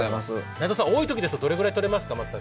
内藤さん、多いときですとまつたけどれくらいとれますか？